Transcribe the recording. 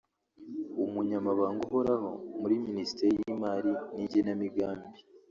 Umunyamabanga uhoraho muri Minisiteri y’imari n’igenamigambi